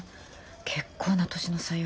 結構な年の差よ。